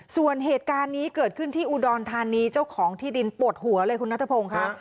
ส่วนเหตุการณ์นี้เกิดขึ้นที่อุดรธานีเจ้าของที่ดินปวดหัวเลยคุณนัทพงศ์ค่ะ